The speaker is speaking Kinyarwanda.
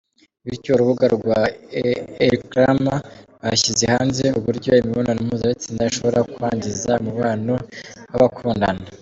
bityo urubuga rwa elcrema rwashyize hanze uburyo imibonano mpuzabitsina ishobora kwangiza umubano w’abakundana.